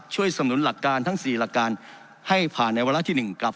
สนุนหลักการทั้ง๔หลักการให้ผ่านในวาระที่๑กลับ